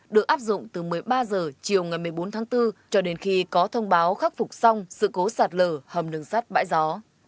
được áp dụng từ một mươi ba h chiều ngày một mươi bốn tháng bốn cho đến khi có thông báo khắc phục xong sự cố sạt lở hầm đường sắt bãi gió